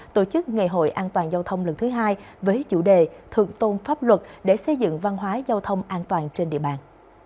tổ chức ngày hội an toàn giao thông lần thứ hai với chủ đề thượng tôn pháp luật để xây dựng văn hóa giao thông an toàn trên địa bàn